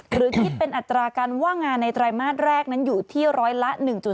หรือคิดเป็นอัตราการว่างงานในไตรมาสแรกนั้นอยู่ที่ร้อยละ๑๔